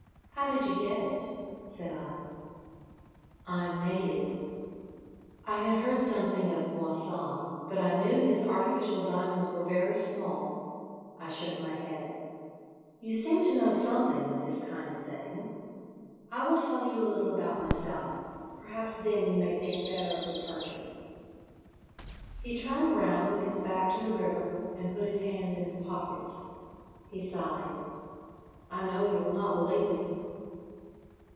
"How did you get it?" said I. "I made it." I had heard something of Moissan, but I knew his artificial diamonds were very small. I shook my head. "You seem to know something of this kind of thing. I will tell you a little about myself. Perhaps then you may think better of the purchase." He turned round with his back to the river, and put his hands in his pockets. He sighed. "I know you will not believe me."